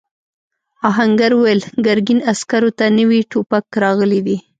آهنګر وویل ګرګین عسکرو ته نوي ټوپک راغلی دی.